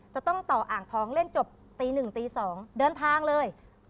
จะต้องต่ออ่างทองเล่นจบตี๑ตี๒เดินทางเลย